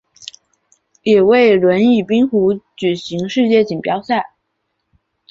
也为轮椅冰壶举行世界锦标赛。